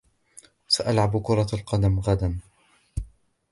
سألعب كرة القدم غدًا.